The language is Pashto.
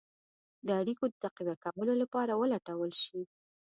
د اړېکو د تقویه کولو لپاره ولټول شي.